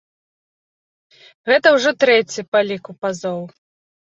Гэта ўжо трэці па ліку пазоў.